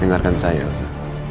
dengarkan saya elsa